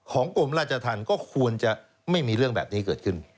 กรมราชธรรมก็ควรจะไม่มีเรื่องแบบนี้เกิดขึ้น